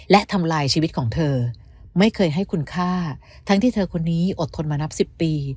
และทำลายชีวิตของเธอไม่เคยให้คุณค่าทั้งที่เธอคนนี้อดทนมานับ๑๐ปี